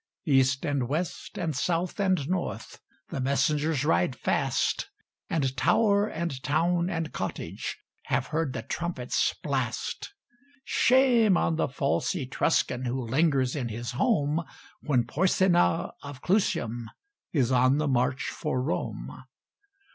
East and west and south and north The messengers ride fast, And tower and town and cottage Have heard the trumpet's blast. Shame on the false Etruscan Who lingers in his home, When Porsena of Clusium Is on the march for Rome.